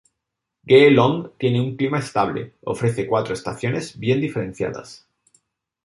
Geelong tiene un clima estable, ofrece cuatro estaciones bien diferenciadas.